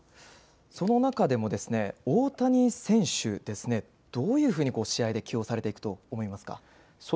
その中で、大谷選手、どういうふうに試合で起用されていくと思いますか？